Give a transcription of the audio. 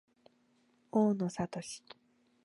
大野智